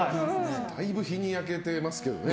だいぶ日に焼けてますけどね